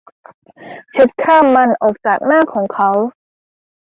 เช็ดคราบมันออกจากหน้าของเขา